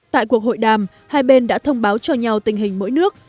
tại cuộc hội đàm hai bên đã thông báo cho nhau tình hình mỗi nước